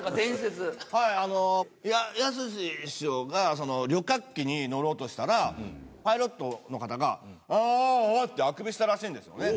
やすし師匠が、旅客機に乗ろうとしたら、パイロットの方が、あーあってあくびしたらしいんですよね。